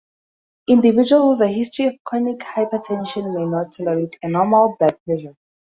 Individuals with a history of chronic hypertension may not tolerate a "normal" blood pressure.